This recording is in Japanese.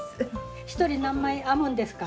１人何枚編むんですか？